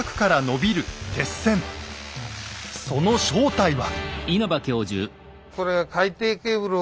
その正体は。